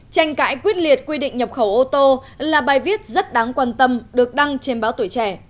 tranh cãi quyết liệt quy định nhập khẩu ô tô là bài viết rất đáng quan tâm được đăng trên báo tuổi trẻ